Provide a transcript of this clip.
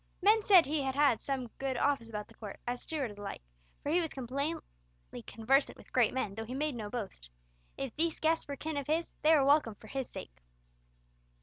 Men said he had had some good office about the Court, as steward or the like—for he was plainly conversant with great men, though he made no boast. If these guests were kin of his, they were welcome for his sake.